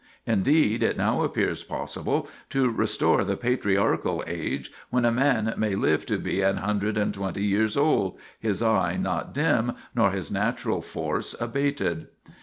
Indeed, it now seems possible to restore the patriarchal age when a man may live to be "an hundred and twenty years old ... his eye ... not dim, nor his natural force abated."